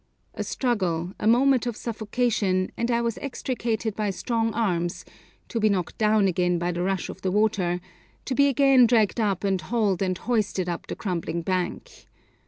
A struggle, a moment of suffocation, and I was extricated by strong arms, to be knocked down again by the rush of the water, to be again dragged up and hauled and hoisted up the crumbling bank.